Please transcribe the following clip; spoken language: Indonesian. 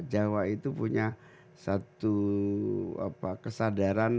jawa itu punya satu kesadaran